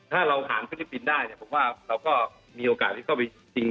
ถ้าเราผ่านฟิลิปปินส์ได้เนี่ยผมว่าเราก็มีโอกาสที่เข้าไปจริง